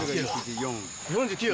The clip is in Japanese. ４９。